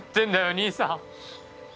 兄さん。